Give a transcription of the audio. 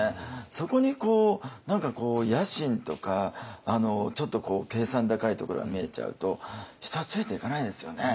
そこに野心とかちょっと計算高いところが見えちゃうと人はついていかないですよね。